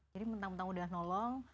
jadi mentang mentang udah nolong